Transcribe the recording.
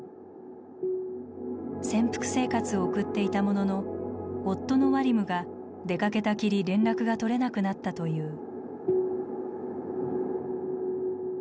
潜伏生活を送っていたものの夫のワリムが出かけたきり連絡が取れなくなったという。